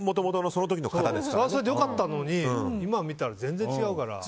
それはそれで良かったのに今見たら全然違うから。